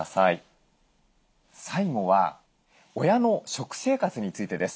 最後は親の食生活についてです。